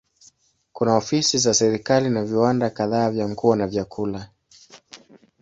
Kuna ofisi za serikali na viwanda kadhaa vya nguo na vyakula.